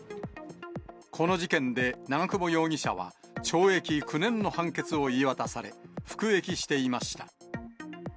この事件で長久保容疑者は、懲役９年の判決を言い渡され、服役していました。